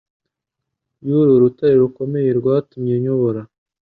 y'uru rutare rukomeye rwatumye nyobora